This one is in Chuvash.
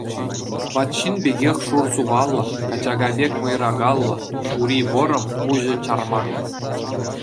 Ват ҫын пекех шур сухаллӑ, качака пек мӑйракаллӑ, ури вӑрӑм, куҫӗ чармак.